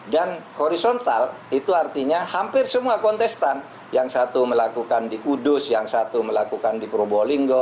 dan horizontal itu artinya hampir semua kontestan yang satu melakukan di kudus yang satu melakukan di probolinggo